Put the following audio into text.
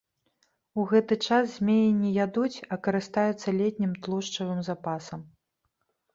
У гэты час змеі не ядуць, а карыстаюцца летнім тлушчавым запасам.